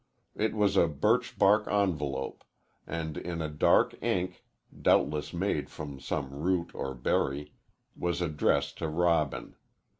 It was a birch bark envelope, and in a dark ink, doubtless made from some root or berry, was addressed to Robin.